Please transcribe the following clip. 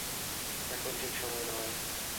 এখন ঠিক সময় নয়।